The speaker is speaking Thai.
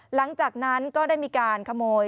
หลังจากนั้นก็ได้มีการขโมย